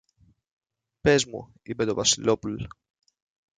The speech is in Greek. Πες μου, είπε το Βασιλόπουλ